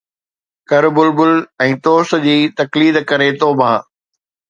ڪر بلبل ۽ طوس جي تقليد ڪري توبه